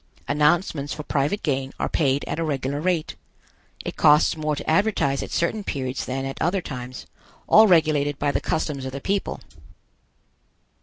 Announcements for private gain are paid at a regular rate. It costs more to advertise at certain periods than at other times, all regulated by the customs of the people.